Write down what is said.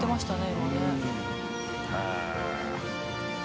今ね。